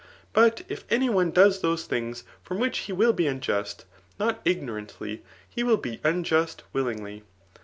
But if any one does those thmgs ftx>m which he wBl be unjust, not ignorantly, he will be unjust willingly.